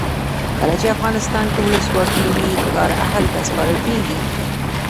کله چې افغانستان کې ولسواکي وي کار اهل ته سپارل کیږي.